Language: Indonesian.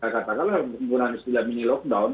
kata kata menggunakan istilah mini lockdown